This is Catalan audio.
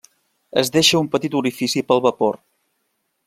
Es deixa un petit orifici per al vapor.